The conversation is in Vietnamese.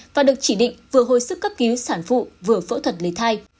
và được chỉ định vừa hồi sức cấp cứu sản phụ vừa phẫu thuật lấy thai